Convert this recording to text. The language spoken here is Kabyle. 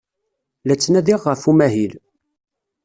La ttnadiɣ ɣef umahil.